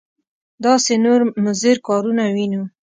داسې نور مضر کارونه وینو.